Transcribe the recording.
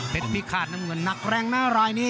เผ็ดพิคาร์ดน้ำเงินนักแรงนะรายนี้